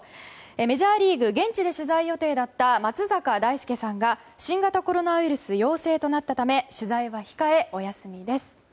メジャーリーグ現地で取材予定だった松坂大輔さんが新型コロナウイルス陽性となったため取材は控えお休みです。